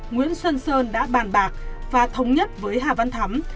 nguyễn xuân sơn đã bàn bạc và thống nhất với hà văn thắm